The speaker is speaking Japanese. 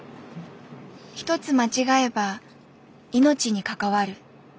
一つ間違えば命に関わる。